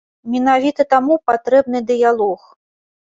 Менавіта таму патрэбны дыялог.